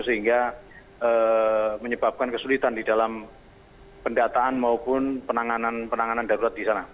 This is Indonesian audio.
sehingga menyebabkan kesulitan di dalam pendataan maupun penanganan penanganan darurat di sana